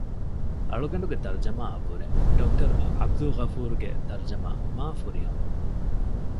އަޅުގަނޑުގެ ތަރުޖަމާއަށްވުރެ ޑޮކްޓަރ ޢަބްދުލްޣަފޫރުގެ ތަރުޖަމާ މާ ފުރިހަމަ